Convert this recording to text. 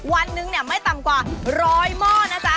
วันนึงเนี่ยไม่ต่ำกว่าร้อยหม้อนะจ๊ะ